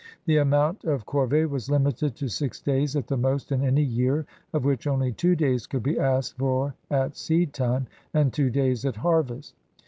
The amount of corvSe was limited to six days at the most in any year, of which only two days could be asked for at seed time and two days at harvest.